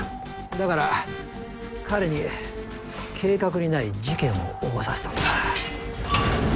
だから彼に計画にない事件を起こさせたんだ。